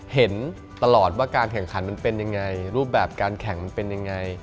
เห็นตลอดว่าการแข่งขันมันเป็นยังไงรูปแบบการแข่งมันเป็นยังไง